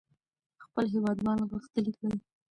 خپل هېوادوال غښتلي کړئ.